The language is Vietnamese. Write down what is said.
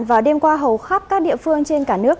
và đêm qua hầu khắp các địa phương trên cả nước